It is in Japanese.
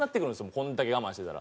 これだけ我慢してたら。